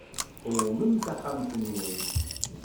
Qewmem taxxamt-nwen.